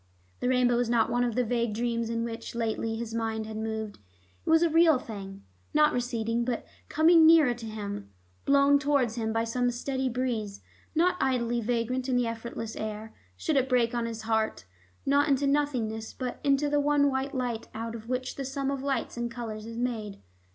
The rainbow was not one of the vague dreams in which, lately, his mind had moved; it was a real thing, not receding but coming nearer to him, blown towards him by some steady breeze, not idly vagrant in the effortless air. Should it break on his heart, not into nothingness, but into the one white light out of which the sum of all lights and colors is made?